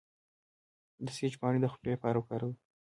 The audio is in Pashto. د سیج پاڼې د خولې لپاره وکاروئ